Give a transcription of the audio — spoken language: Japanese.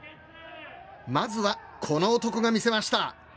まずはこの男が見せました。